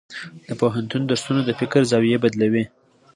د پوهنتون درسونه د فکر زاویې بدلوي.